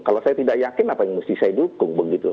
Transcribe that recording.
kalau saya tidak yakin apa yang mesti saya dukung begitu